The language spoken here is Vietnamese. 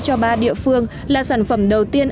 cho ba địa phương là sản phẩm đầu tiên